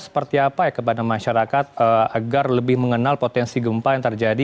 seperti apa ya kepada masyarakat agar lebih mengenal potensi gempa yang terjadi